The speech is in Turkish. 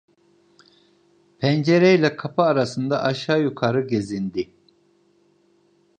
Pencereyle kapı arasında aşağı yukarı gezindi.